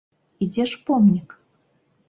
І дзе ж помнік?